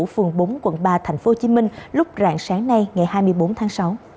phường bốn quận ba tp hcm lúc rạng sáng nay ngày hai mươi bốn tháng sáu